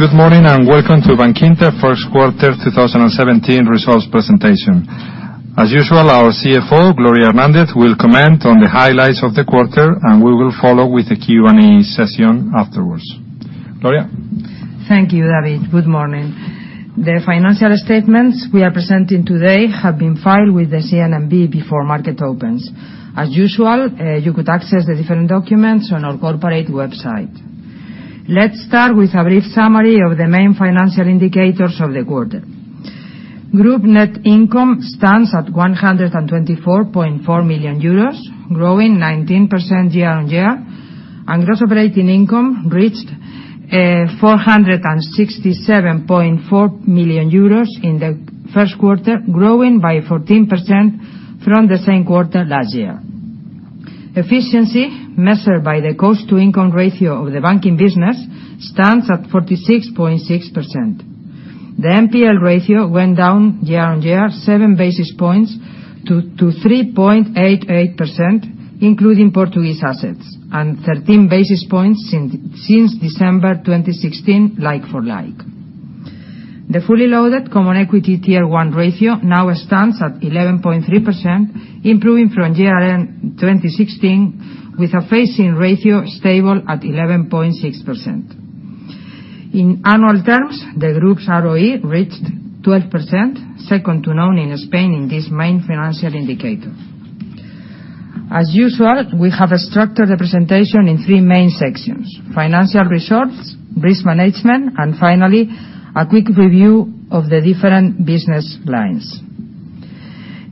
Good morning, and welcome to Bankinter first quarter 2017 results presentation. As usual, our CFO, Gloria Hernandez, will comment on the highlights of the quarter, and we will follow with the Q&A session afterwards. Gloria? Thank you, David. Good morning. The financial statements we are presenting today have been filed with the CNMV before market opens. As usual, you could access the different documents on our corporate website. Let's start with a brief summary of the main financial indicators of the quarter. Group net income stands at 124.4 million euros, growing 19% year-on-year, and gross operating income reached 467.4 million euros in the first quarter, growing by 14% from the same quarter last year. Efficiency, measured by the cost-to-income ratio of the banking business, stands at 46.6%. The NPL ratio went down year-on-year seven basis points to 3.88%, including Portuguese assets, and 13 basis points since December 2016, like-for-like. The fully loaded common equity Tier 1 ratio now stands at 11.3%, improving from year-end 2016, with a phasing ratio stable at 11.6%. In annual terms, the group's ROE reached 12%, second to none in Spain in this main financial indicator. As usual, we have structured the presentation in three main sections: financial results, risk management, and finally, a quick review of the different business lines.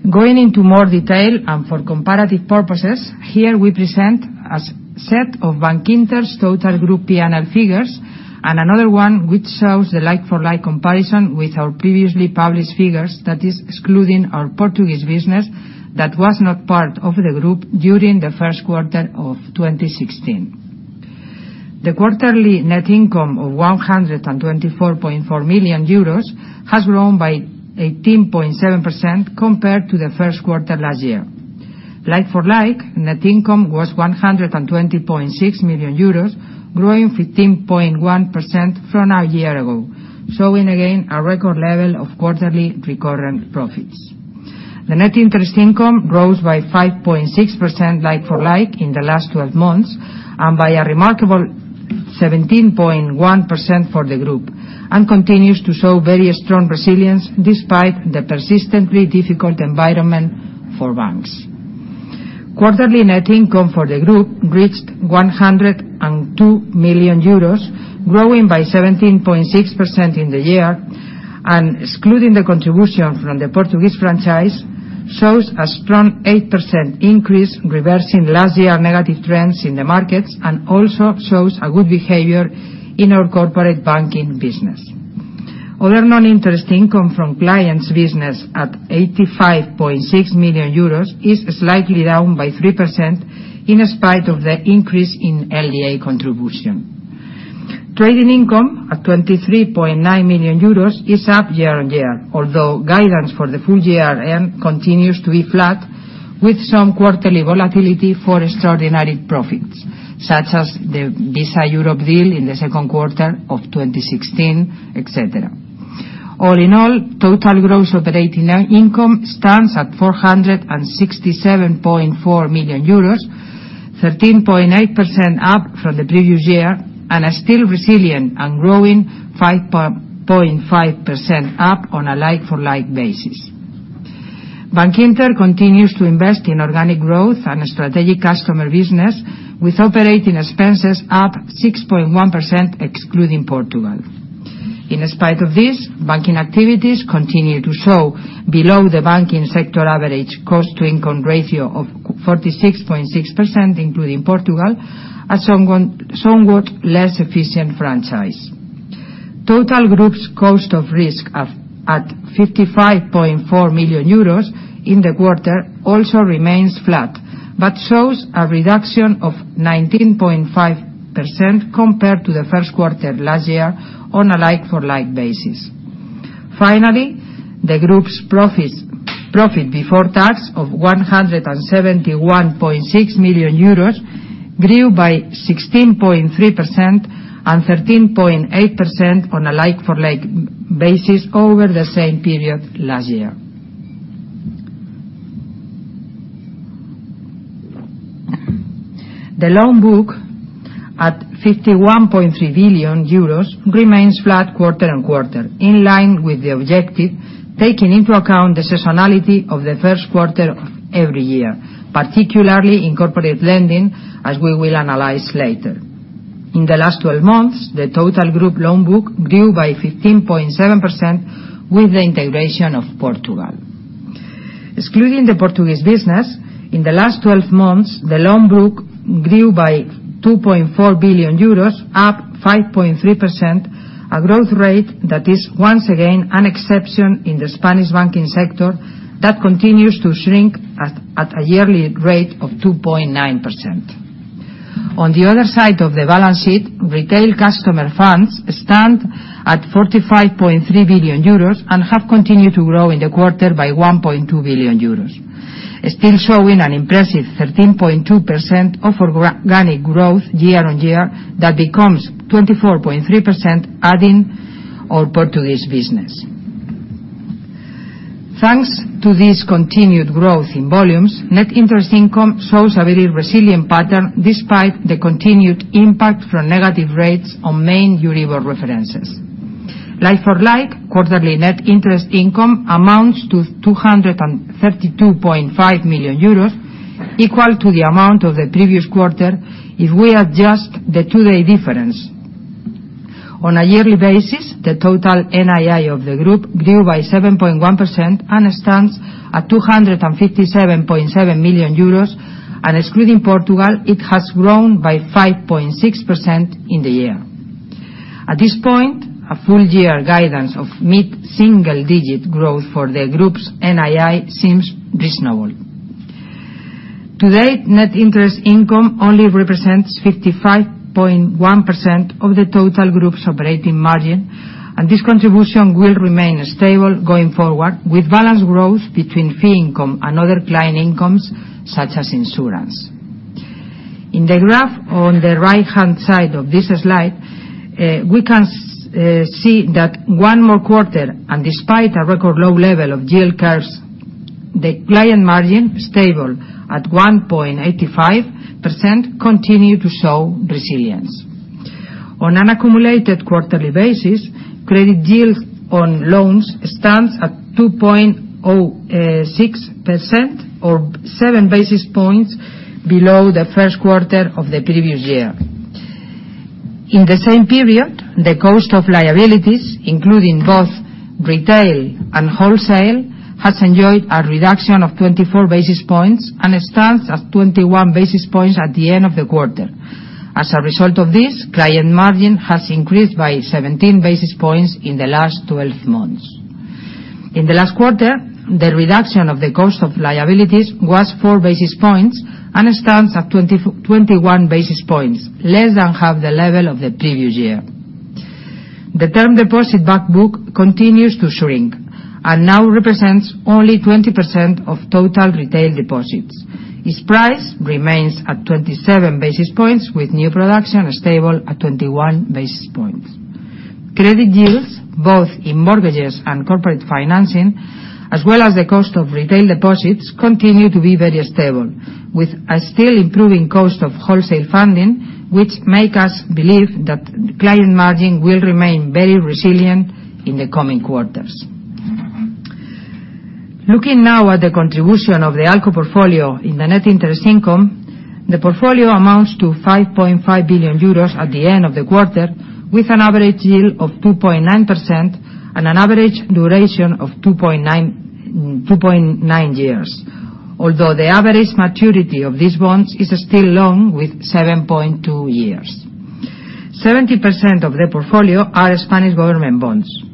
Going into more detail and for comparative purposes, here we present a set of Bankinter's total group P&L figures and another one which shows the like-for-like comparison with our previously published figures, that is excluding our Portuguese business that was not part of the group during the first quarter of 2016. The quarterly net income of 124.4 million euros has grown by 18.7% compared to the first quarter last year. Like-for-like, net income was 120.6 million euros, growing 15.1% from a year ago, showing again a record level of quarterly recurrent profits. The net interest income grows by 5.6% like-for-like in the last 12 months and by a remarkable 17.1% for the group, and continues to show very strong resilience despite the persistently difficult environment for banks. Quarterly net income for the group reached 102 million euros, growing by 17.6% in the year, and excluding the contribution from the Portuguese franchise, shows a strong 8% increase, reversing last year negative trends in the markets, and also shows a good behavior in our corporate banking business. Other non-interest income from clients business at 85.6 million euros is slightly down by 3% in spite of the increase in LDA contribution. Trading income at 23.9 million euros is up year-on-year, although guidance for the full year continues to be flat with some quarterly volatility for extraordinary profits, such as the Visa Europe deal in the second quarter of 2016, et cetera. All in all, total gross operating income stands at 467.4 million euros, 13.8% up from the previous year and are still resilient and growing 5.5% up on a like-for-like basis. Bankinter continues to invest in organic growth and strategic customer business, with operating expenses up 6.1%, excluding Portugal. In spite of this, banking activities continue to show below the banking sector average cost-to-income ratio of 46.6%, including Portugal, a somewhat less efficient franchise. Total group's cost of risk at 55.4 million euros in the quarter also remains flat, but shows a reduction of 19.5% compared to the first quarter last year on a like-for-like basis. Finally, the group's profit before tax of 171.6 million euros grew by 16.3% and 13.8% on a like-for-like basis over the same period last year. The loan book at 51.3 billion euros remains flat quarter-on-quarter, in line with the objective, taking into account the seasonality of the first quarter every year, particularly in corporate lending, as we will analyze later. In the last 12 months, the total group loan book grew by 15.7% with the integration of Portugal. Excluding the Portuguese business, in the last 12 months, the loan book grew by 2.4 billion euros, up 5.3%, a growth rate that is once again an exception in the Spanish banking sector that continues to shrink at a yearly rate of 2.9%. On the other side of the balance sheet, retail customer funds stand at 45.3 billion euros and have continued to grow in the quarter by 1.2 billion euros. Still showing an impressive 13.2% of organic growth year-on-year, that becomes 24.3% adding our Portuguese business. Thanks to this continued growth in volumes, net interest income shows a very resilient pattern despite the continued impact from negative rates on main Euribor references. Like-for-like, quarterly net interest income amounts to 232.5 million euros, equal to the amount of the previous quarter if we adjust the two-day difference. On a yearly basis, the total NII of the group grew by 7.1% and stands at 257.7 million euros, and excluding Portugal, it has grown by 5.6% in the year. At this point, a full year guidance of mid-single digit growth for the group's NII seems reasonable. To date, net interest income only represents 55.1% of the total group's operating margin, and this contribution will remain stable going forward with balanced growth between fee income and other client incomes, such as insurance. In the graph on the right-hand side of this slide, we can see that one more quarter, and despite a record low level of yield curves, the client margin, stable at 1.85%, continue to show resilience. On an accumulated quarterly basis, credit yield on loans stands at 2.06%, or seven basis points below the first quarter of the previous year. In the same period, the cost of liabilities, including both retail and wholesale, has enjoyed a reduction of 24 basis points and stands at 21 basis points at the end of the quarter. As a result of this, client margin has increased by 17 basis points in the last 12 months. In the last quarter, the reduction of the cost of liabilities was four basis points and stands at 21 basis points, less than half the level of the previous year. The term deposit back book continues to shrink and now represents only 20% of total retail deposits. Its price remains at 27 basis points, with new production stable at 21 basis points. Credit yields, both in mortgages and corporate financing, as well as the cost of retail deposits, continue to be very stable, with a still improving cost of wholesale funding, which make us believe that client margin will remain very resilient in the coming quarters. Looking now at the contribution of the ALCO portfolio in the net interest income, the portfolio amounts to 5.5 billion euros at the end of the quarter, with an average yield of 2.9% and an average duration of 2.9 years. Although the average maturity of these bonds is still long, with 7.2 years. 70% of the portfolio are Spanish government bonds.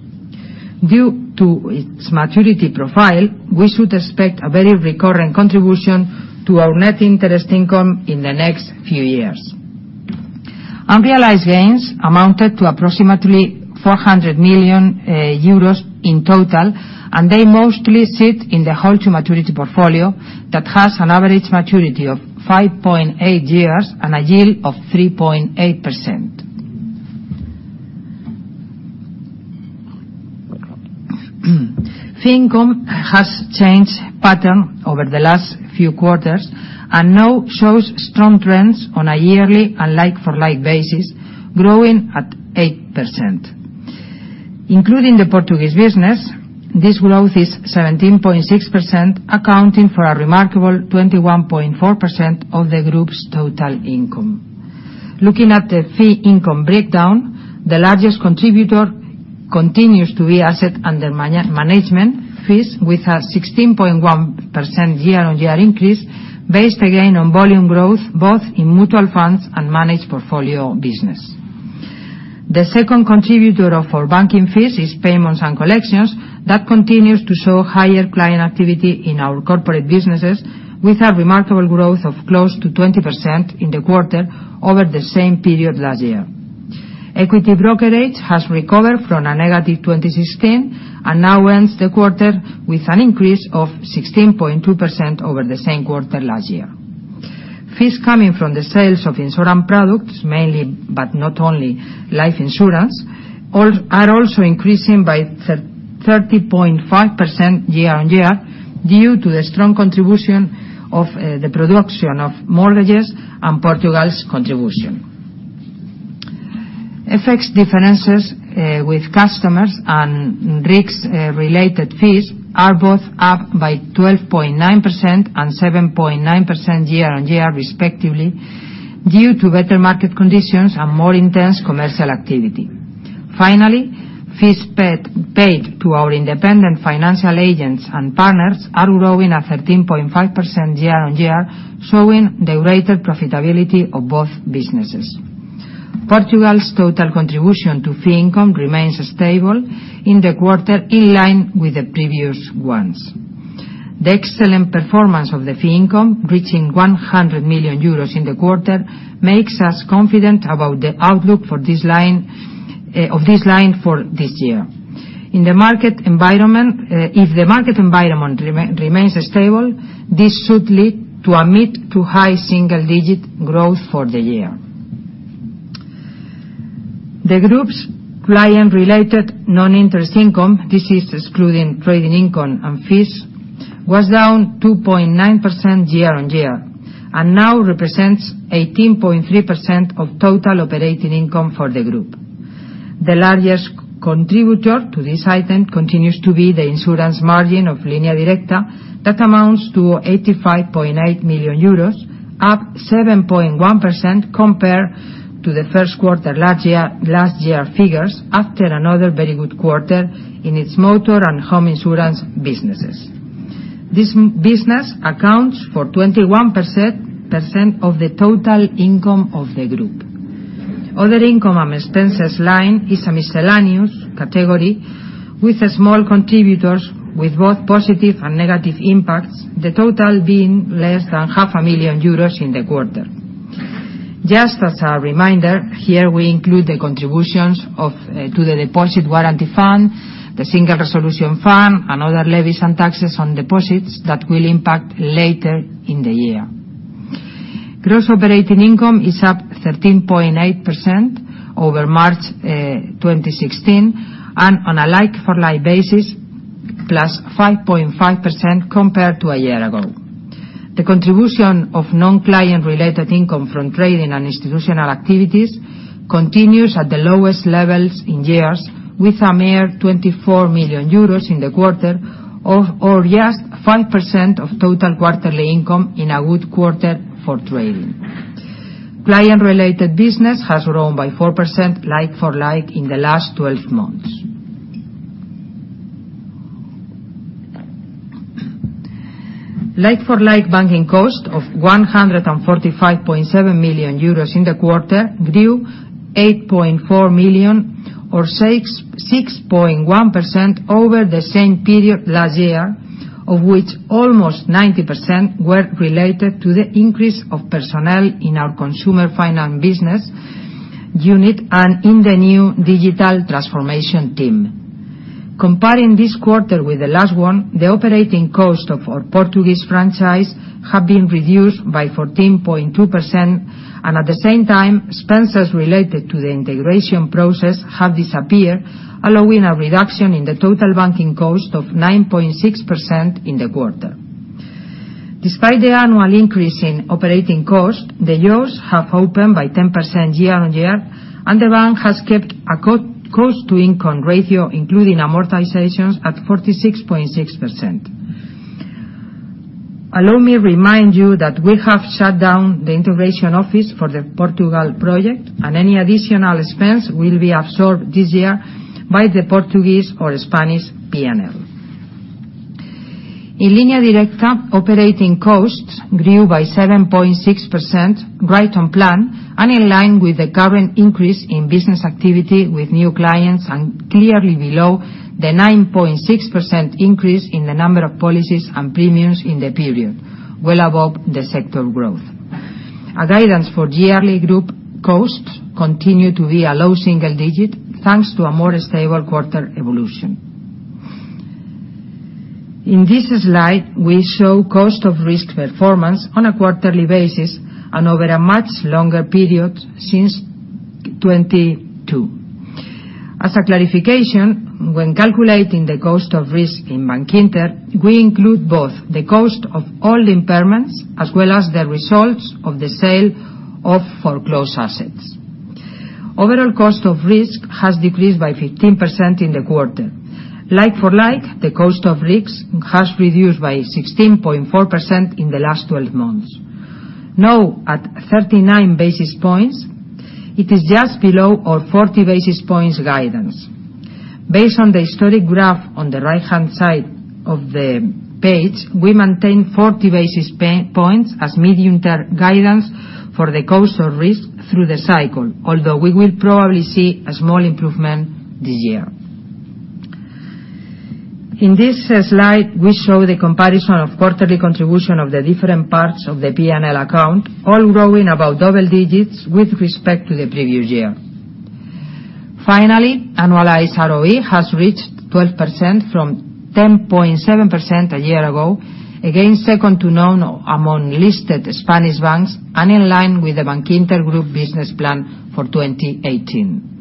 Due to its maturity profile, we should expect a very recurring contribution to our net interest income in the next few years. Unrealized gains amounted to approximately 400 million euros in total, and they mostly sit in the hold-to-maturity portfolio that has an average maturity of 5.8 years and a yield of 3.8%. Fee income has changed pattern over the last few quarters and now shows strong trends on a yearly and like-for-like basis, growing at 8%. Including the Portuguese business, this growth is 17.6%, accounting for a remarkable 21.4% of the group's total income. Looking at the fee income breakdown, the largest contributor continues to be asset under management fees, with a 16.1% year-on-year increase based again on volume growth both in mutual funds and managed portfolio business. The second contributor of our banking fees is payments and collections that continues to show higher client activity in our corporate businesses, with a remarkable growth of close to 20% in the quarter over the same period last year. Equity brokerage has recovered from a negative 2016 and now ends the quarter with an increase of 16.2% over the same quarter last year. Fees coming from the sales of insurance products, mainly but not only life insurance, are also increasing by 30.5% year-on-year due to the strong contribution of the production of mortgages and Portugal's contribution. FX differences with customers and risks-related fees are both up by 12.9% and 7.9% year-on-year respectively due to better market conditions and more intense commercial activity. Finally, fees paid to our independent financial agents and partners are growing at 13.5% year-on-year, showing the greater profitability of both businesses. Portugal's total contribution to fee income remains stable in the quarter, in line with the previous ones. The excellent performance of the fee income, reaching 100 million euros in the quarter, makes us confident about the outlook of this line for this year. If the market environment remains stable, this should lead to a mid-to high single digit growth for the year. The group's client-related non-interest income, this is excluding trading income and fees, was down 2.9% year-on-year and now represents 18.3% of total operating income for the group. The largest contributor to this item continues to be the insurance margin of Línea Directa that amounts to 85.8 million euros, up 7.1% compared to the first quarter last year figures after another very good quarter in its motor and home insurance businesses. This business accounts for 21% of the total income of the group. Other income and expenses line is a miscellaneous category with small contributors with both positive and negative impacts, the total being less than half a million EUR in the quarter. As a reminder, here we include the contributions to the Deposit Guarantee Fund, the Single Resolution Fund, and other levies and taxes on deposits that will impact later in the year. Gross operating income is up 13.8% over March 2016, and on a like-for-like basis, plus 5.5% compared to a year ago. The contribution of non-client related income from trading and institutional activities continues at the lowest levels in years, with a mere 24 million euros in the quarter or just 5% of total quarterly income in a good quarter for trading. Client-related business has grown by 4% like-for-like in the last 12 months. Like-for-like banking cost of 145.7 million euros in the quarter grew 8.4 million or 6.1% over the same period last year, of which almost 90% were related to the increase of personnel in our Consumer Finance business unit and in the new digital transformation team. Comparing this quarter with the last one, the operating cost of our Portuguese franchise have been reduced by 14.2%. At the same time, expenses related to the integration process have disappeared, allowing a reduction in the total banking cost of 9.6% in the quarter. Despite the annual increase in operating cost, the yields have opened by 10% year-on-year, and the bank has kept a cost-to-income ratio, including amortizations, at 46.6%. Allow me to remind you that we have shut down the integration office for the Portugal project, and any additional expense will be absorbed this year by the Portuguese or Spanish P&L. In Línea Directa, operating costs grew by 7.6%, right on plan, in line with the current increase in business activity with new clients and clearly below the 9.6% increase in the number of policies and premiums in the period, well above the sector growth. Our guidance for yearly group costs continue to be a low single digit, thanks to a more stable quarter evolution. In this slide, we show cost of risk performance on a quarterly basis and over a much longer period since 22. As a clarification, when calculating the cost of risk in Bankinter, we include both the cost of all impairments as well as the results of the sale of foreclosed assets. Overall cost of risk has decreased by 15% in the quarter. Like-for-like, the cost of risks has reduced by 16.4% in the last 12 months. Now at 39 basis points, it is just below our 40 basis points guidance. Based on the historic graph on the right-hand side of the page, we maintain 40 basis points as mid-year guidance for the cost of risk through the cycle. Although we will probably see a small improvement this year. In this slide, we show the comparison of quarterly contribution of the different parts of the P&L account, all growing above double digits with respect to the previous year. Finally, annualized ROE has reached 12% from 10.7% a year ago, again second to none among listed Spanish banks and in line with the Bankinter Group business plan for 2018.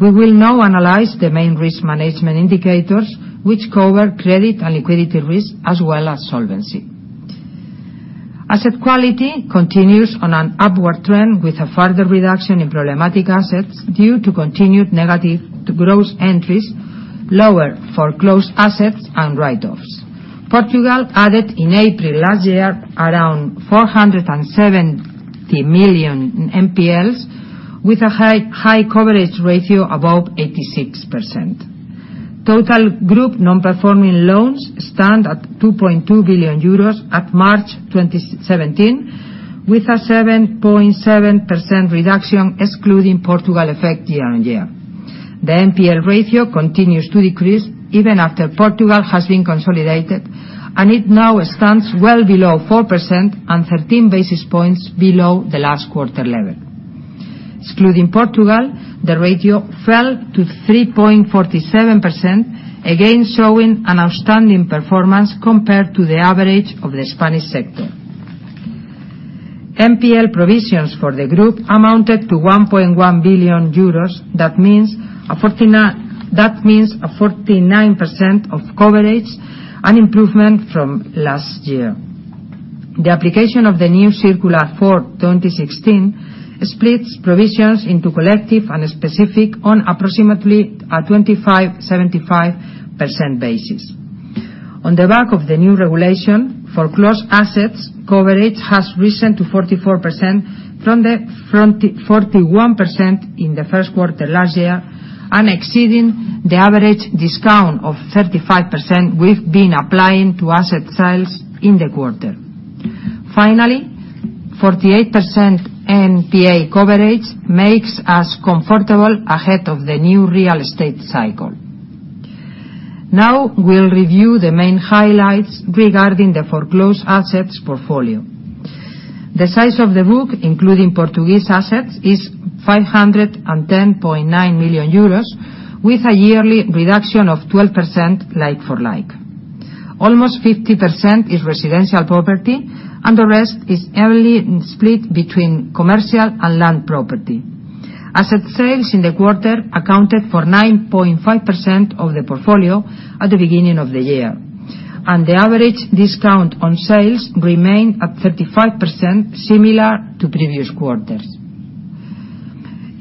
We will now analyze the main risk management indicators, which cover credit and liquidity risk, as well as solvency. Asset quality continues on an upward trend with a further reduction in problematic assets due to continued negative to gross entries, lower foreclosed assets, and write-offs. Portugal added in April last year around 470 million NPLs, with a high coverage ratio above 86%. Total group non-performing loans stand at 2.2 billion euros at March 2017, with a 7.7% reduction excluding Portugal effect year-on-year. The NPL ratio continues to decrease even after Portugal has been consolidated, and it now stands well below 4% and 13 basis points below the last quarter level. Excluding Portugal, the ratio fell to 3.47%, again showing an outstanding performance compared to the average of the Spanish sector. NPL provisions for the group amounted to 1.1 billion euros. That means a 49% of coverage, an improvement from last year. The application of the new Circular 4/2016 splits provisions into collective and specific on approximately a 25/75% basis. On the back of the new regulation, foreclosed assets coverage has risen to 44% from the 41% in the first quarter last year and exceeding the average discount of 35% we've been applying to asset sales in the quarter. Finally, 48% NPA coverage makes us comfortable ahead of the new real estate cycle. Now we'll review the main highlights regarding the foreclosed assets portfolio. The size of the book, including Portuguese assets, is 510.9 million euros, with a yearly reduction of 12% like-for-like. Almost 50% is residential property, and the rest is evenly split between commercial and land property. Asset sales in the quarter accounted for 9.5% of the portfolio at the beginning of the year, and the average discount on sales remained at 35%, similar to previous quarters.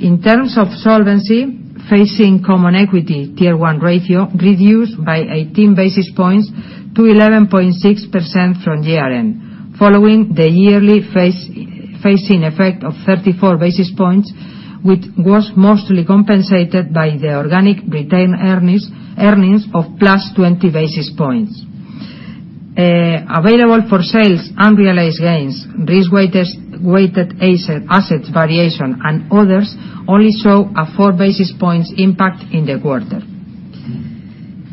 In terms of solvency, phasing common equity Tier 1 ratio reduced by 18 basis points to 11.6% from year-end, following the yearly phasing effect of 34 basis points, which was mostly compensated by the organic retained earnings of plus 20 basis points. Available for sales, unrealized gains, risk-weighted assets variation, and others only show a 4 basis points impact in the quarter.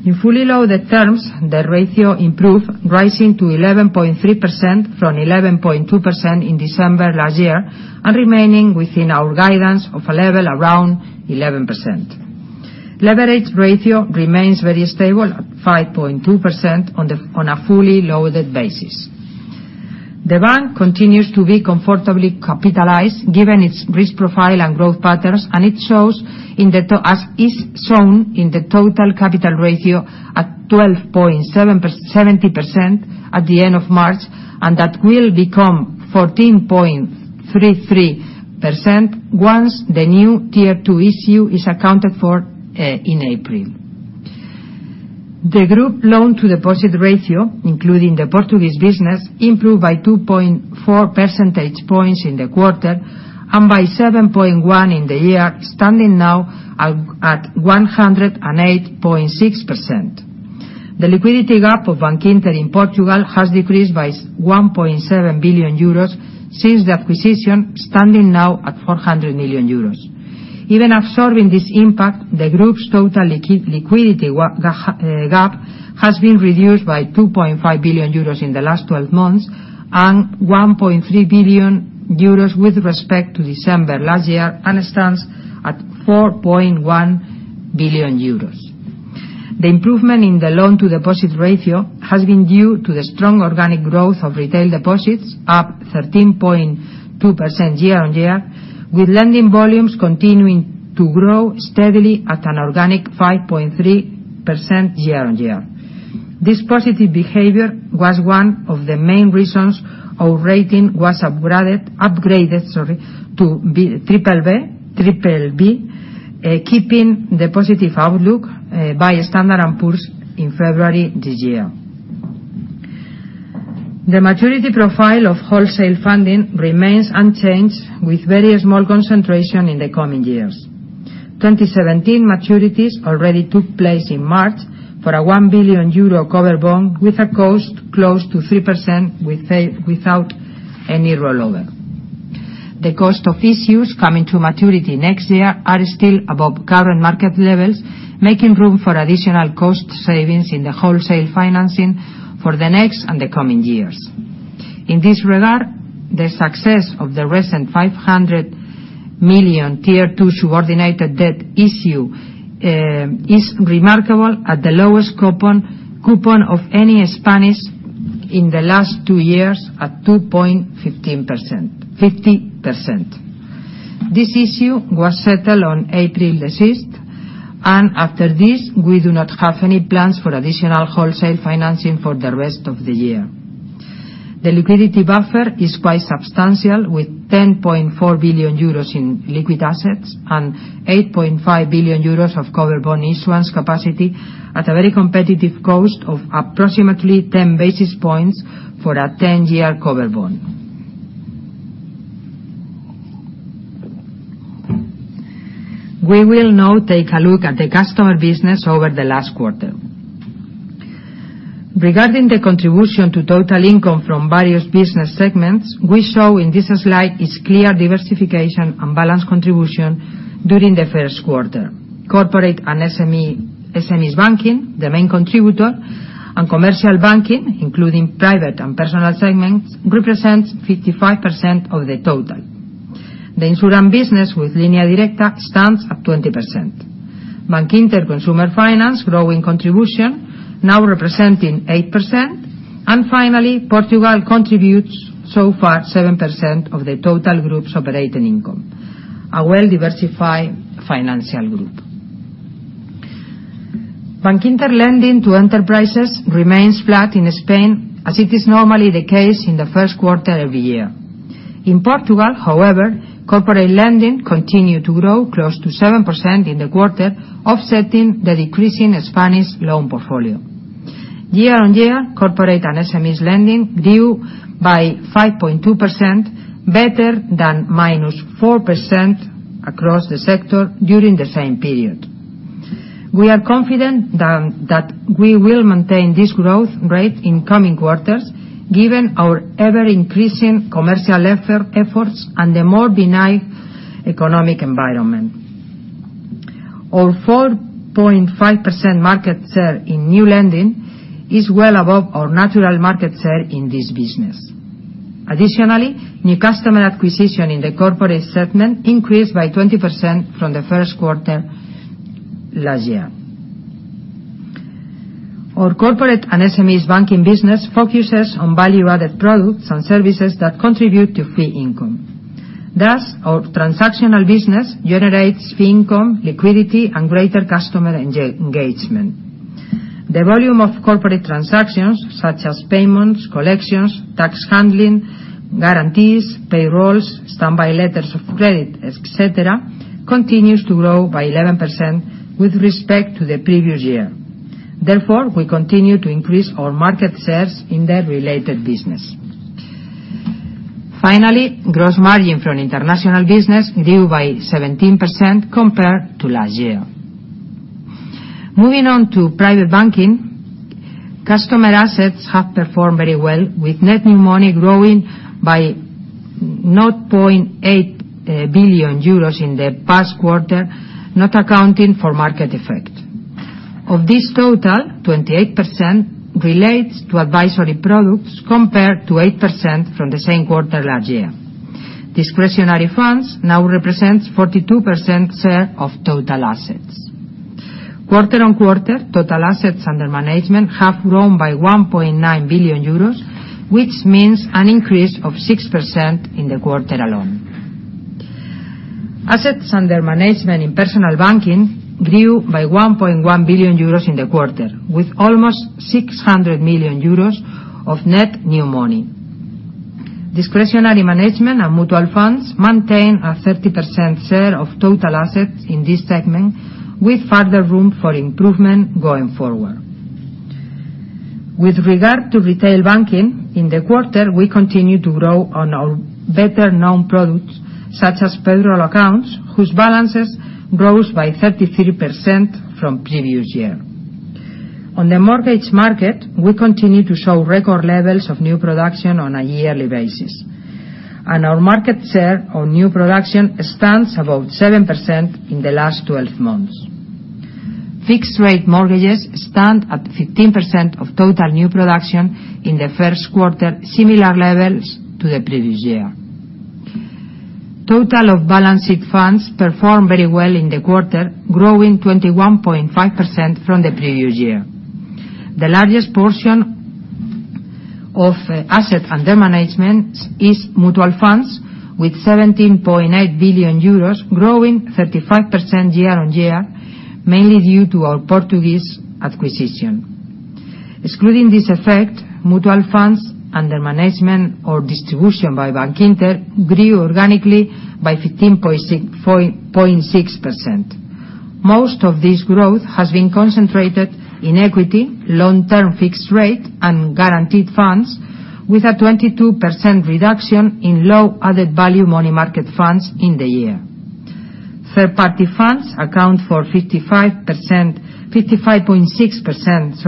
In fully loaded terms, the ratio improved, rising to 11.3% from 11.2% in December last year and remaining within our guidance of a level around 11%. Leverage ratio remains very stable at 5.2% on a fully loaded basis. The bank continues to be comfortably capitalized given its risk profile and growth patterns, as is shown in the total capital ratio at 12.70% at the end of March, and that will become 14.33% once the new Tier 2 issue is accounted for in April. The group loan-to-deposit ratio, including the Portuguese business, improved by 2.4 percentage points in the quarter and by 7.1 in the year, standing now at 108.6%. The liquidity gap of Bankinter in Portugal has decreased by 1.7 billion euros since the acquisition, standing now at 400 million euros. Even absorbing this impact, the group's total liquidity gap has been reduced by 2.5 billion euros in the last 12 months and 1.3 billion euros with respect to December last year and stands at 4.1 billion euros. The improvement in the loan-to-deposit ratio has been due to the strong organic growth of retail deposits, up 13.2% year-on-year, with lending volumes continuing to grow steadily at an organic 5.3% year-on-year. This positive behavior was one of the main reasons our rating was upgraded to BBB, keeping the positive outlook by Standard & Poor's in February this year. The maturity profile of wholesale funding remains unchanged with very small concentration in the coming years. 2017 maturities already took place in March for a 1 billion euro cover bond with a cost close to 3% without any rollover. The cost of issues coming to maturity next year are still above current market levels, making room for additional cost savings in the wholesale financing for the next and the coming years. In this regard, the success of the recent 500 million Tier 2 subordinated debt issue is remarkable at the lowest coupon of any Spanish in the last two years at 2.50%. This issue was settled on April 5th. After this, we do not have any plans for additional wholesale financing for the rest of the year. The liquidity buffer is quite substantial, with 10.4 billion euros in liquid assets and 8.5 billion euros of cover bond issuance capacity at a very competitive cost of approximately 10 basis points for a 10-year cover bond. We will now take a look at the customer business over the last quarter. Regarding the contribution to total income from various business segments, we show in this slide its clear diversification and balanced contribution during the first quarter. Corporate and SMEs banking, the main contributor, and commercial banking, including private and personal segments, represents 55% of the total. The insurance business with Línea Directa stands at 20%. Bankinter Consumer Finance growing contribution, now representing 8%. Finally, Portugal contributes so far 7% of the total group's operating income. A well-diversified financial group. Bankinter lending to enterprises remains flat in Spain, as it is normally the case in the first quarter every year. In Portugal, however, corporate lending continued to grow close to 7% in the quarter, offsetting the decreasing Spanish loan portfolio. Year-over-year, corporate and SMEs lending grew by 5.2%, better than minus 4% across the sector during the same period. We are confident that we will maintain this growth rate in coming quarters, given our ever-increasing commercial efforts and the more benign economic environment. Our 4.5% market share in new lending is well above our natural market share in this business. Additionally, new customer acquisition in the corporate segment increased by 20% from the first quarter last year. Our corporate and SMEs banking business focuses on value-added products and services that contribute to fee income. Thus, our transactional business generates fee income, liquidity, and greater customer engagement. The volume of corporate transactions, such as payments, collections, tax handling, guarantees, payrolls, standby letters of credit, et cetera, continues to grow by 11% with respect to the previous year. Therefore, we continue to increase our market shares in the related business. Finally, gross margin from international business grew by 17% compared to last year. Moving on to private banking, customer assets have performed very well, with net new money growing by 0.8 billion euros in the past quarter, not accounting for market effect. Of this total, 28% relates to advisory products compared to 8% from the same quarter last year. Discretionary funds now represents 42% share of total assets. Quarter-over-quarter, total assets under management have grown by 1.9 billion euros, which means an increase of 6% in the quarter alone. Assets under management in personal banking grew by 1.1 billion euros in the quarter, with almost 600 million euros of net new money. Discretionary management and mutual funds maintain a 30% share of total assets in this segment, with further room for improvement going forward. With regard to retail banking, in the quarter, we continued to grow on our better-known products, such as payroll accounts, whose balances rose by 33% from previous year. On the mortgage market, we continue to show record levels of new production on a yearly basis. Our market share on new production stands about 7% in the last 12 months. Fixed rate mortgages stand at 15% of total new production in the first quarter, similar levels to the previous year. Total of balanced funds performed very well in the quarter, growing 21.5% from the previous year. The largest portion of assets under management is mutual funds, with 17.8 billion euros growing 35% year on year, mainly due to our Portuguese acquisition. Excluding this effect, mutual funds under management or distribution by Bankinter grew organically by 15.6%. Most of this growth has been concentrated in equity, long-term fixed rate, and guaranteed funds, with a 22% reduction in low added-value money market funds in the year. Third-party funds account for 55.6%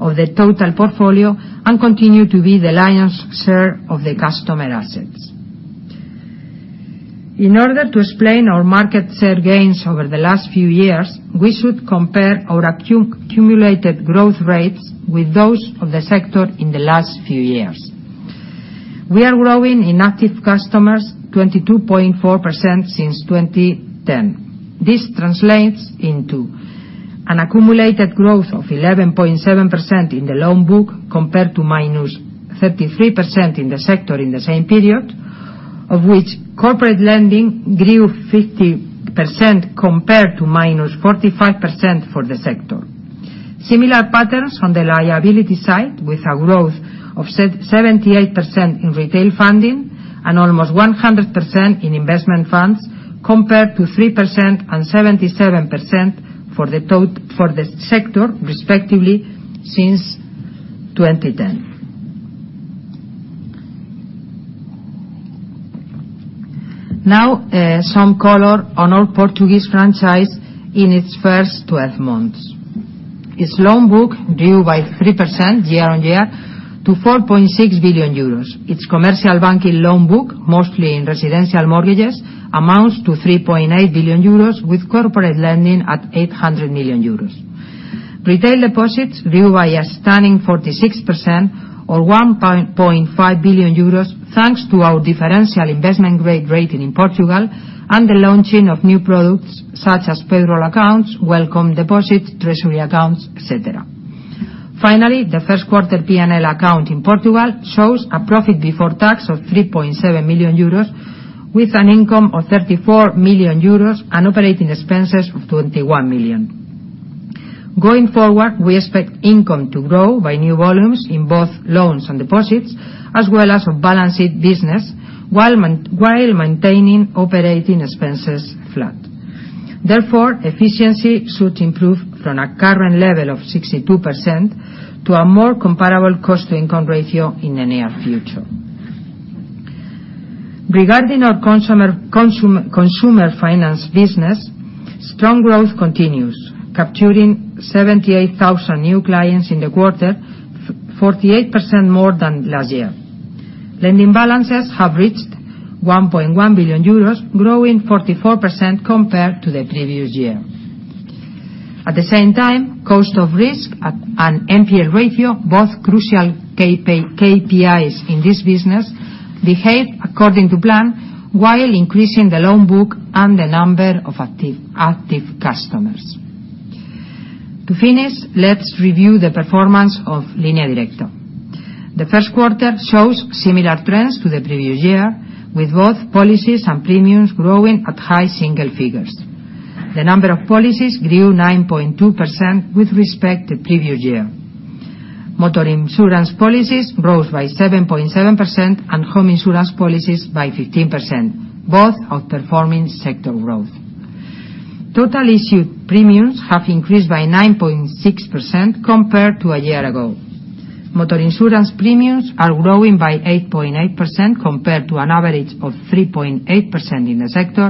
of the total portfolio and continue to be the lion's share of the customer assets. In order to explain our market share gains over the last few years, we should compare our accumulated growth rates with those of the sector in the last few years. We are growing in active customers 22.4% since 2010. This translates into an accumulated growth of 11.7% in the loan book compared to -33% in the sector in the same period, of which corporate lending grew 50% compared to -45% for the sector. Similar patterns on the liability side, with a growth of 78% in retail funding and almost 100% in investment funds, compared to 3% and 77% for the sector, respectively, since 2010. Some color on our Portuguese franchise in its first 12 months. Its loan book grew by 3% year on year to 4.6 billion euros. Its commercial banking loan book, mostly in residential mortgages, amounts to 3.8 billion euros, with corporate lending at 800 million euros. Retail deposits grew by a stunning 46%, or 1.5 billion euros, thanks to our differential investment-grade rating in Portugal and the launching of new products such as payroll accounts, welcome deposits, treasury accounts, et cetera. The first quarter P&L account in Portugal shows a profit before tax of 3.7 million euros, with an income of 34 million euros and operating expenses of 21 million. Going forward, we expect income to grow by new volumes in both loans and deposits, as well as a balanced business, while maintaining operating expenses flat. Therefore, efficiency should improve from a current level of 62% to a more comparable cost-to-income ratio in the near future. Regarding our consumer finance business, strong growth continues, capturing 78,000 new clients in the quarter, 48% more than last year. Lending balances have reached 1.1 billion euros, growing 44% compared to the previous year. At the same time, cost of risk and NPL ratio, both crucial KPIs in this business, behave according to plan while increasing the loan book and the number of active customers. To finish, let's review the performance of Línea Directa. The first quarter shows similar trends to the previous year, with both policies and premiums growing at high single figures. The number of policies grew 9.2% with respect to the previous year. Motor insurance policies rose by 7.7% and home insurance policies by 15%, both outperforming sector growth. Total issued premiums have increased by 9.6% compared to a year ago. Motor insurance premiums are growing by 8.8% compared to an average of 3.8% in the sector,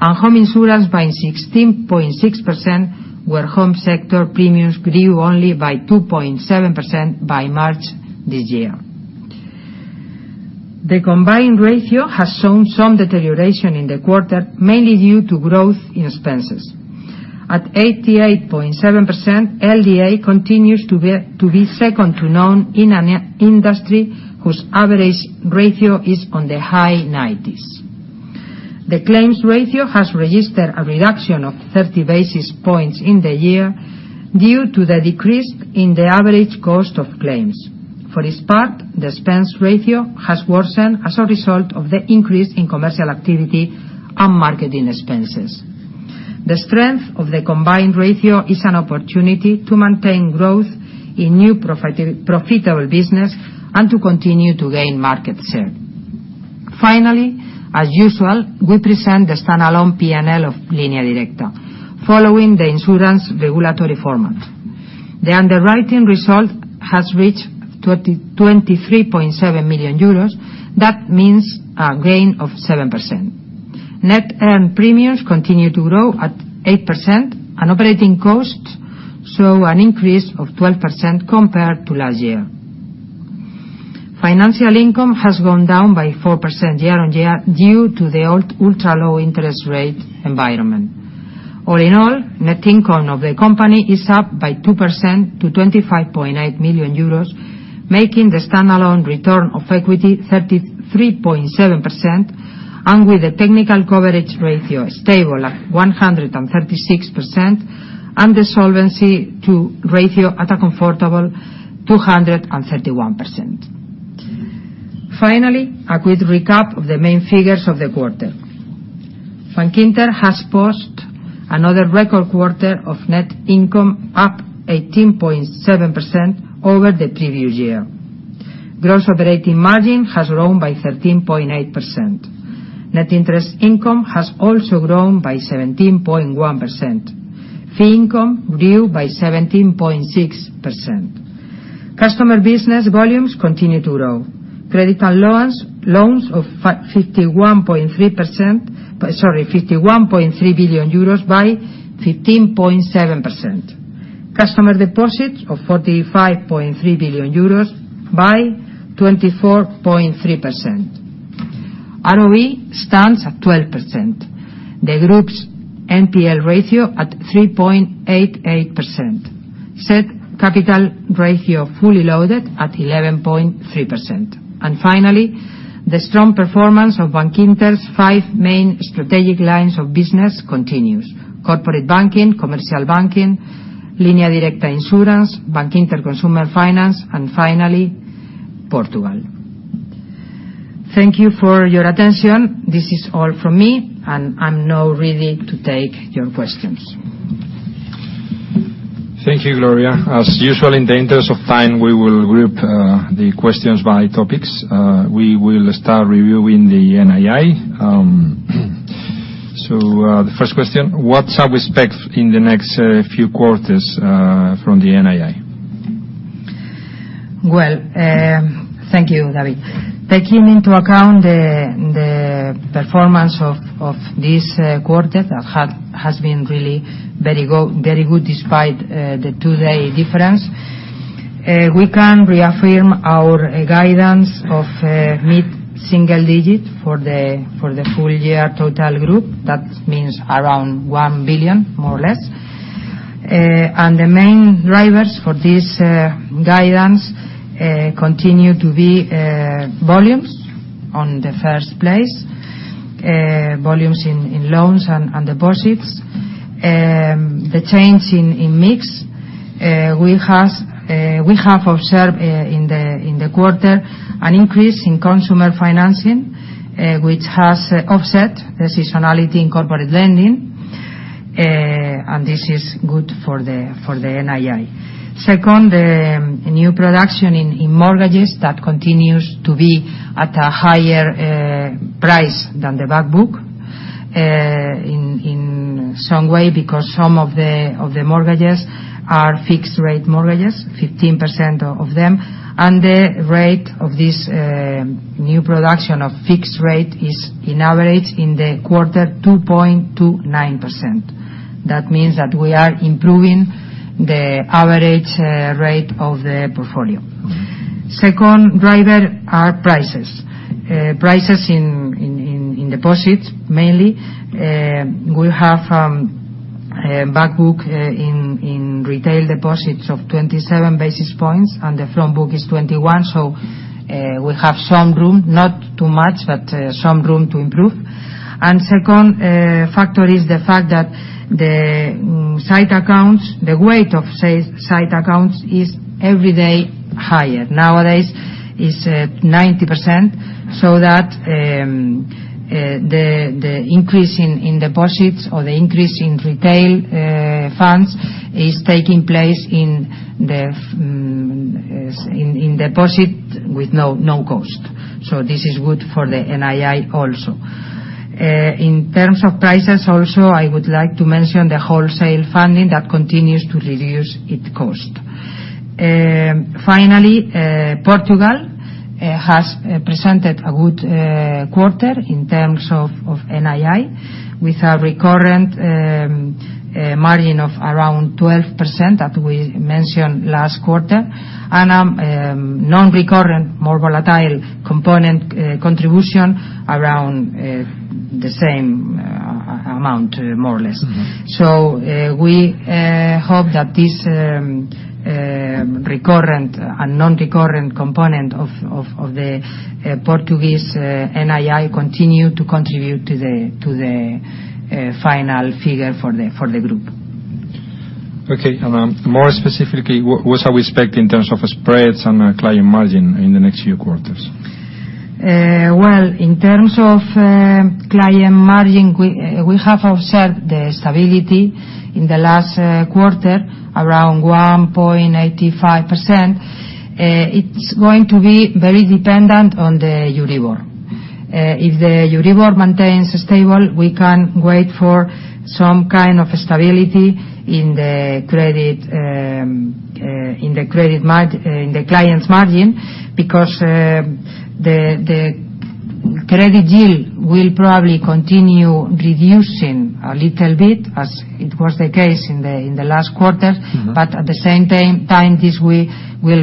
and home insurance by 16.6%, where home sector premiums grew only by 2.7% by March this year. The combined ratio has shown some deterioration in the quarter, mainly due to growth in expenses. At 88.7%, LDA continues to be second to none in an industry whose average ratio is on the high 90s. The claims ratio has registered a reduction of 30 basis points in the year due to the decrease in the average cost of claims. For its part, the expense ratio has worsened as a result of the increase in commercial activity and marketing expenses. The strength of the combined ratio is an opportunity to maintain growth in new, profitable business and to continue to gain market share. Finally, as usual, we present the standalone P&L of Línea Directa, following the insurance regulatory format. The underwriting result has reached 23.7 million euros. That means a gain of 7%. Net earned premiums continue to grow at 8%, and operating costs saw an increase of 12% compared to last year. Financial income has gone down by 4% year-on-year due to the ultra-low interest rate environment. All in all, net income of the company is up by 2% to 25.8 million euros, making the standalone return of equity 33.7%, and with the technical coverage ratio stable at 136%, and the Solvency II ratio at a comfortable 231%. Finally, a quick recap of the main figures of the quarter. Bankinter has posted another record quarter of net income, up 18.7% over the previous year. Gross operating margin has grown by 13.8%. Net interest income has also grown by 17.1%. Fee income grew by 17.6%. Customer business volumes continue to grow. Credit and loans of 51.3 billion euros by 15.7%. Customer deposits of 45.3 billion euros by 24.3%. ROE stands at 12%. The group's NPL ratio at 3.88%. CET capital ratio, fully loaded, at 11.3%. Finally, the strong performance of Bankinter's five main strategic lines of business continues: corporate banking, commercial banking, Línea Directa insurance, Bankinter Consumer Finance, and finally, Portugal. Thank you for your attention. This is all from me, and I'm now ready to take your questions. Thank you, Gloria. As usual, in the interest of time, we will group the questions by topics. We will start reviewing the NII. The first question, what's our expect in the next few quarters from the NII? Well, thank you, David. Taking into account the performance of this quarter, has been really very good despite the two-day difference. We can reaffirm our guidance of mid-single digit for the full year total group. That means around 1 billion, more or less. The main drivers for this guidance continue to be volumes on the first place, volumes in loans and deposits. The change in mix we have observed in the quarter, an increase in consumer financing, which has offset the seasonality in corporate lending, and this is good for the NII. Second, the new production in mortgages, that continues to be at a higher price than the back book in some way because some of the mortgages are fixed rate mortgages, 15% of them. The rate of this new production of fixed rate is on average in the quarter 2.29%. That means that we are improving the average rate of the portfolio. Second driver are prices. Prices in deposits mainly. We have back book in retail deposits of 27 basis points, and the front book is 21. We have some room, not too much, but some room to improve. Second factor is the fact that the sight accounts, the weight of sight accounts is every day higher. Nowadays, it's at 90%. The increase in deposits or the increase in retail funds is taking place in deposit with no cost. This is good for the NII also. In terms of prices also, I would like to mention the wholesale funding that continues to reduce its cost. Finally, Portugal has presented a good quarter in terms of NII with a recurrent margin of around 12% that we mentioned last quarter, and non-recurrent, more volatile component contribution around the same amount, more or less. We hope that this recurrent and non-recurrent component of the Portuguese NII continue to contribute to the final figure for the group. Okay. More specifically, what shall we expect in terms of spreads and client margin in the next few quarters? Well, in terms of client margin, we have observed the stability in the last quarter, around 1.85%. It's going to be very dependent on the Euribor. If the Euribor maintains stable, we can wait for some kind of stability in the client margin because the credit yield will probably continue reducing a little bit as it was the case in the last quarter. At the same time, this will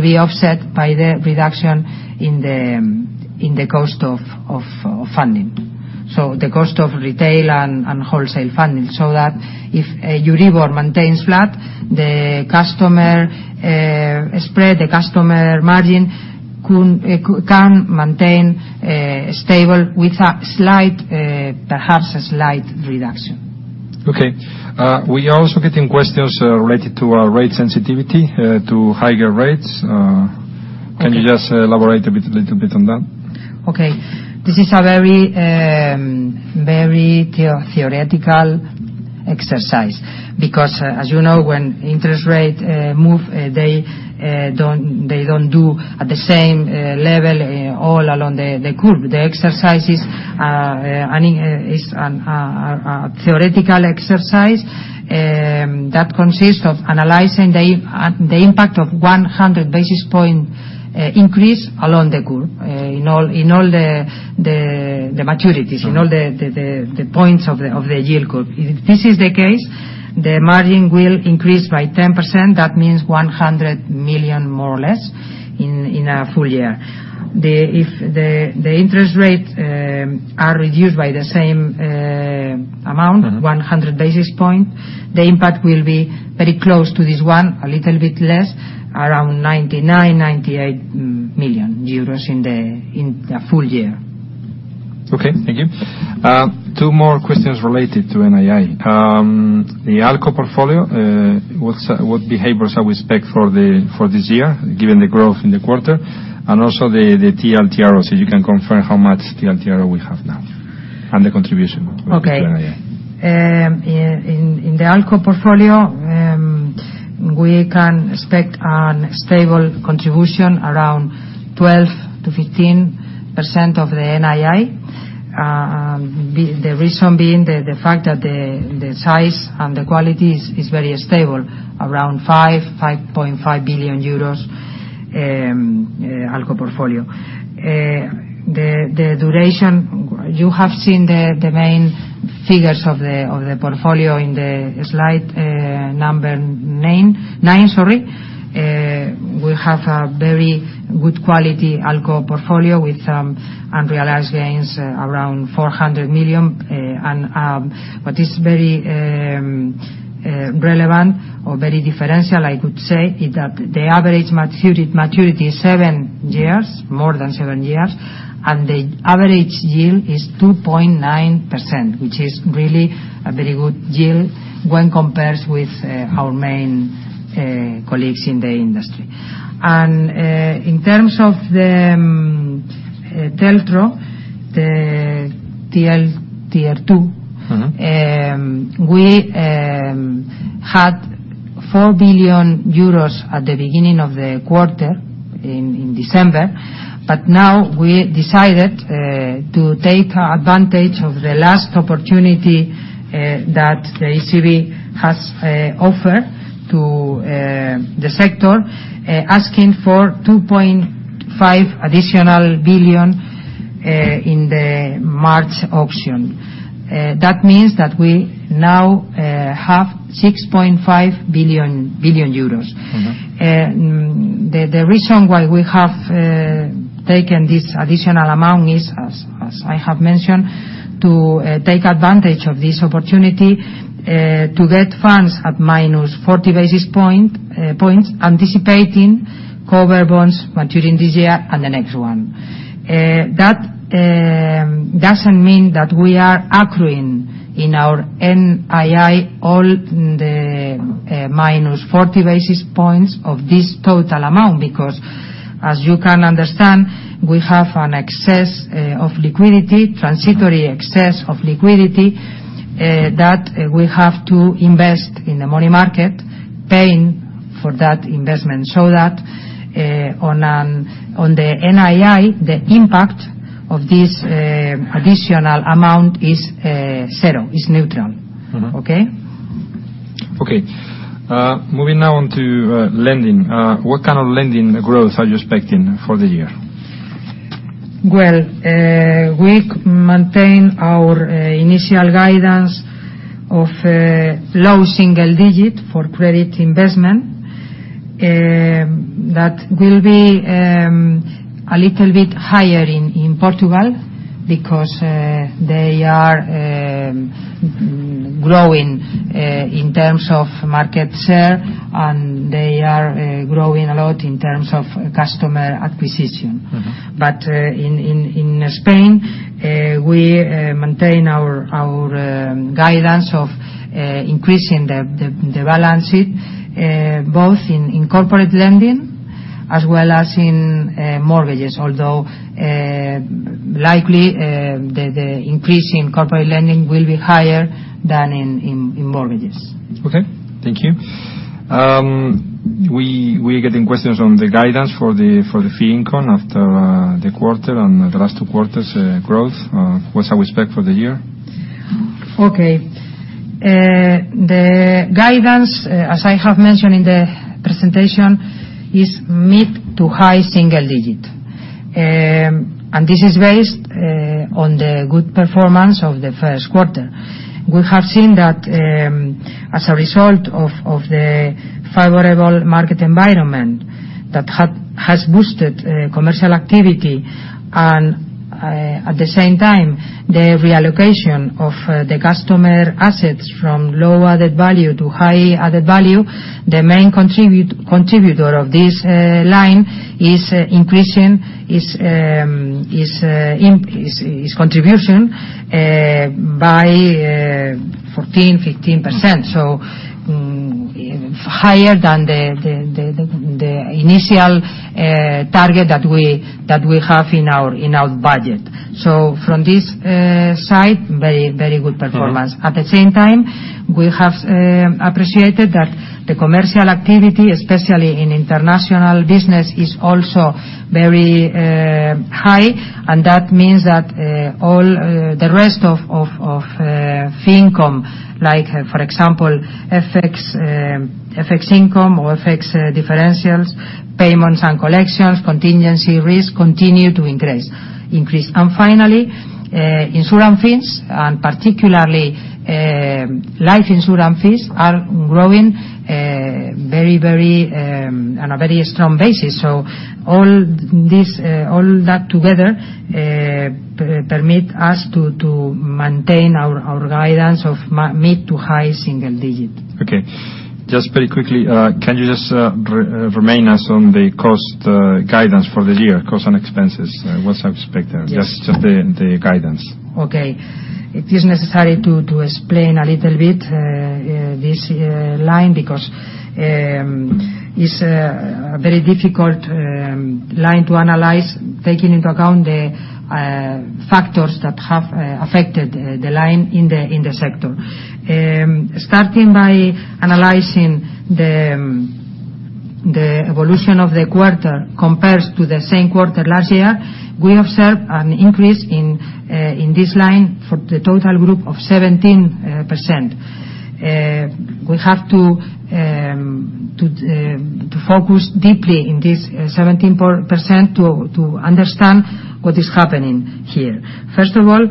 be offset by the reduction in the cost of funding. So the cost of retail and wholesale funding, so that if Euribor maintains flat, the customer spread, the customer margin can maintain stable with perhaps a slight reduction. Okay. We are also getting questions related to our rate sensitivity to higher rates. Okay. Can you just elaborate a little bit on that? Okay. This is a very theoretical exercise because, as you know, when interest rate move, they don't do at the same level all along the curve. The exercise is a theoretical exercise that consists of analyzing the impact of 100 basis point increase along the curve in all the maturities, in all the points of the yield curve. If this is the case, the margin will increase by 10%. That means 100 million, more or less, in a full year. If the interest rate are reduced by the same amount- 100 basis point, the impact will be very close to this one, a little bit less, around 99 million euros, 98 million euros in a full year. Okay, thank you. Two more questions related to NII. The ALCO portfolio, what behaviors are we expect for this year, given the growth in the quarter, and also the TLTROs, if you can confirm how much TLTRO we have now and the contribution- Okay related to NII. In the ALCO portfolio, we can expect a stable contribution around 12%-15% of the NII. The reason being the fact that the size and the quality is very stable, around 5 billion-5.5 billion euros ALCO portfolio. The duration, you have seen the main figures of the portfolio in slide number nine. We have a very good quality ALCO portfolio with unrealized gains around 400 million. What is very relevant or very differential, I would say, is that the average maturity is more than seven years, and the average yield is 2.9%, which is really a very good yield when compared with our main colleagues in the industry. In terms of the TLTRO, the TLTRO II, we had 4 billion euros at the beginning of the quarter in December. Now we decided to take advantage of the last opportunity that the ECB has offered to the sector, asking for an additional 2.5 billion in the March auction. That means that we now have 6.5 billion euros. The reason why we have taken this additional amount is, as I have mentioned, to take advantage of this opportunity to get funds at -40 basis points, anticipating covered bonds maturing this year and the next one. That doesn't mean that we are accruing in our NII all the -40 basis points of this total amount, because, as you can understand, we have a transitory excess of liquidity that we have to invest in the money market, paying for that investment. On the NII, the impact of this additional amount is zero, it's neutral. Okay? Okay. Moving now on to lending. What kind of lending growth are you expecting for the year? Well, we maintain our initial guidance of low single digit for credit investment. That will be a little bit higher in Portugal because they are growing in terms of market share and they are growing a lot in terms of customer acquisition. In Spain, we maintain our guidance of increasing the balances, both in corporate lending as well as in mortgages. Although likely, the increase in corporate lending will be higher than in mortgages. Okay. Thank you. We are getting questions on the guidance for the fee income after the quarter and the last two quarters' growth. What's our expect for the year? Okay. The guidance, as I have mentioned in the presentation, is mid to high single digit. This is based on the good performance of the first quarter. We have seen that as a result of the favorable market environment that has boosted commercial activity and at the same time, the reallocation of the customer assets from low added value to high added value. The main contributor of this line is increasing its contribution by 14%-15%. Higher than the initial target that we have in our budget. From this side, very good performance. At the same time, we have appreciated that the commercial activity, especially in international business, is also very high, that means that all the rest of fee income, for example, FX income or FX differentials, payments and collections, contingency risk, continue to increase. Finally, insurance fees, and particularly life insurance fees, are growing on a very strong basis. All that together permit us to maintain our guidance of mid to high single digit. Okay. Just very quickly, can you just remind us on the cost guidance for the year, cost and expenses, what's expected? Yes. Just the guidance. Okay. It is necessary to explain a little bit this line, because it is a very difficult line to analyze, taking into account the factors that have affected the line in the sector. Starting by analyzing the evolution of the quarter compared to the same quarter last year, we observed an increase in this line for the total group of 17%. We have to focus deeply in this 17% to understand what is happening here. First of all,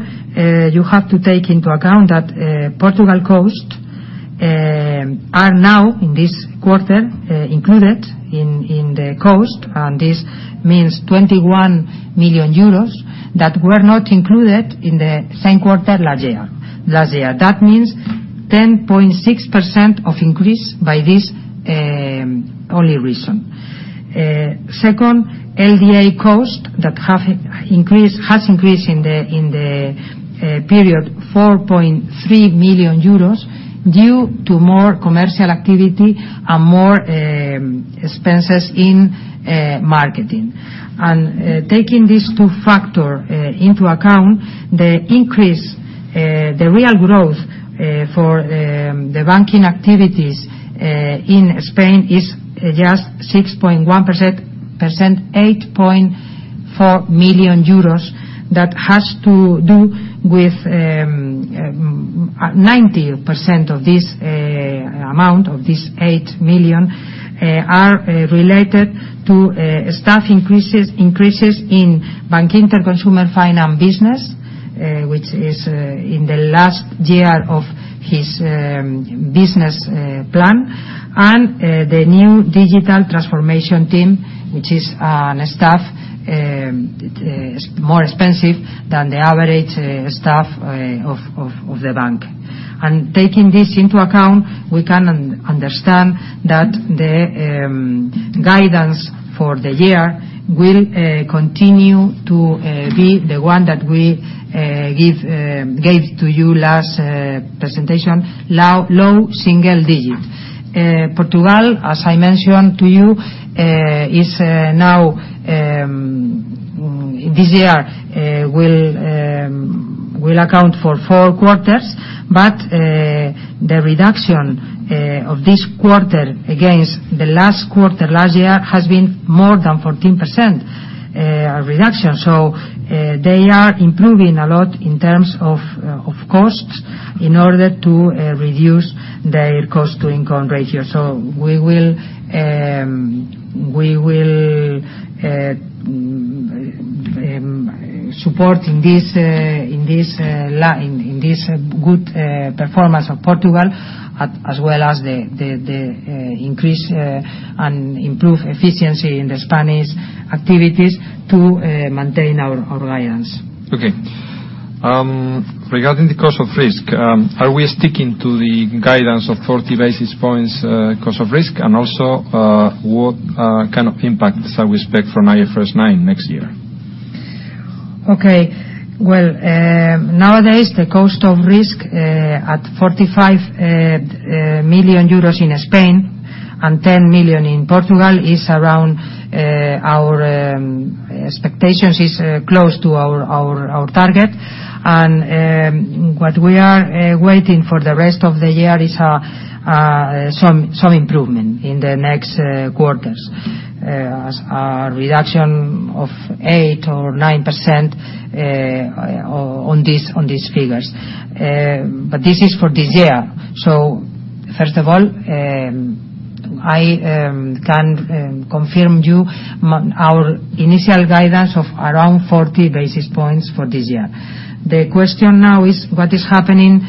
you have to take into account that Portugal costs are now in this quarter included in the cost. This means 21 million euros that were not included in the same quarter last year. That means 10.6% of increase by this only reason. Second, LDA cost has increased in the period 4.3 million euros due to more commercial activity and more expenses in marketing. Taking these two factors into account, the real growth for the banking activities in Spain is just 6.1%, 8.4 million euros. 90% of this amount, of this 8 million, are related to staff increases in Bankinter Consumer Finance business, which is in the last year of its business plan. The new digital transformation team, which is on staff, is more expensive than the average staff of the bank. Taking this into account, we can understand that the guidance for the year will continue to be the one that we gave to you last presentation, low single digit. Portugal, as I mentioned to you, this year will account for 4 quarters, but the reduction of this quarter against the last quarter last year has been more than 14% reduction. They are improving a lot in terms of costs in order to reduce their cost-to-income ratio. We will support in this good performance of Portugal, as well as the increase and improve efficiency in the Spanish activities to maintain our guidance. Okay. Regarding the cost of risk, are we sticking to the guidance of 40 basis points, cost of risk? Also, what kind of impacts are we expect from IFRS 9 next year? Nowadays, the cost of risk at 45 million euros in Spain and 10 million in Portugal is around our expectations, is close to our target. What we are waiting for the rest of the year is some improvement in the next quarters, as a reduction of 8% or 9% on these figures. This is for this year. First of all, I can confirm you our initial guidance of around 40 basis points for this year. The question now is what is happening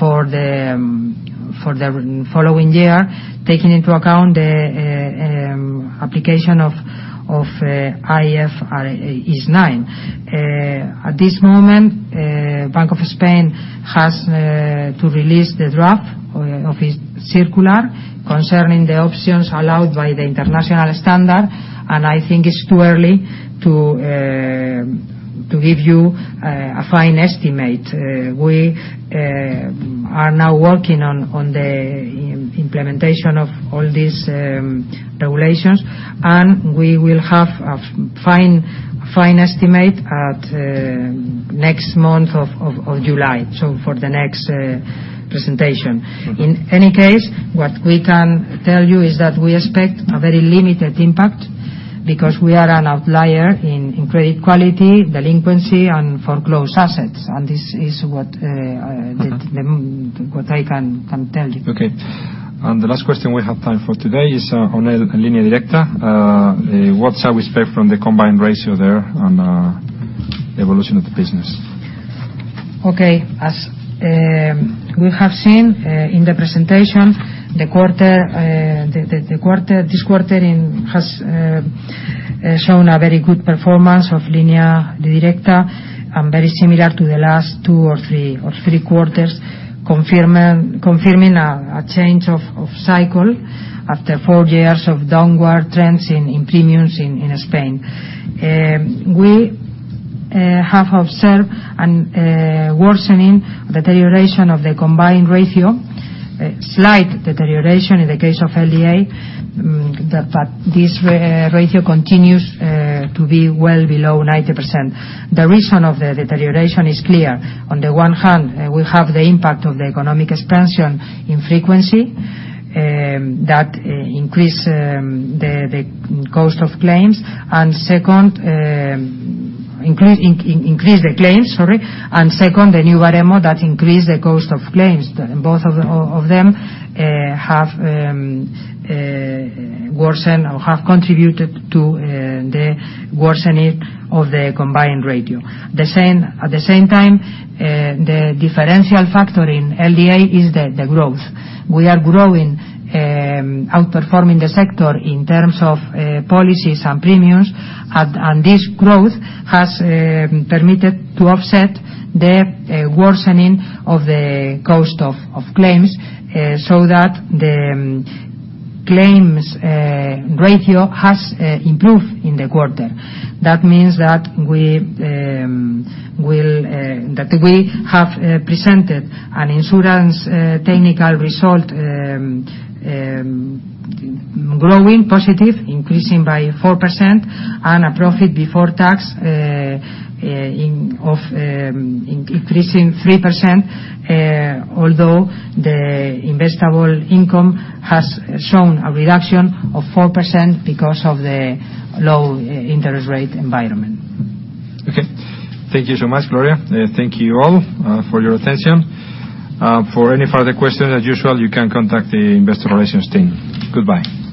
for the following year, taking into account the application of IFRS 9. At this moment, Bank of Spain has to release the draft of its circular concerning the options allowed by the international standard, I think it's too early to give you a fine estimate. We are now working on the implementation of all these regulations, we will have a fine estimate at next month of July. For the next presentation. In any case, what we can tell you is that we expect a very limited impact because we are an outlier in credit quality, delinquency, and foreclosed assets. This is what I can tell you. The last question we have time for today is on Línea Directa. What shall we expect from the combined ratio there and evolution of the business? As we have seen in the presentation, this quarter has shown a very good performance of Línea Directa and very similar to the last two or three quarters, confirming a change of cycle after four years of downward trends in premiums in Spain. We have observed a worsening deterioration of the combined ratio, a slight deterioration in the case of LDA, this ratio continues to be well below 90%. The reason of the deterioration is clear. On the one hand, we have the impact of the economic expansion in frequency that increase the cost of claims. Second, increase the claims, sorry. Second, the new Baremo that increased the cost of claims. Both of them have worsened or have contributed to the worsening of the combined ratio. At the same time, the differential factor in LDA is the growth. We are growing, outperforming the sector in terms of policies and premiums. This growth has permitted to offset the worsening of the cost of claims so that the claims ratio has improved in the quarter. That means that we have presented an insurance technical result growing positive, increasing by 4%, and a profit before tax increasing 3%, although the investable income has shown a reduction of 4% because of the low interest rate environment. Okay. Thank you so much, Gloria. Thank you all for your attention. For any further questions, as usual, you can contact the investor relations team. Goodbye.